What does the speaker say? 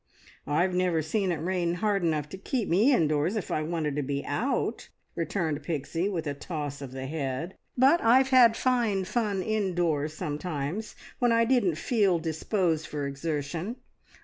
"I've never seen it rain hard enough to keep me indoors if I wanted to be out," returned Pixie, with a toss of the head; "but I've had fine fun indoors sometimes when I didn't feel disposed for exertion.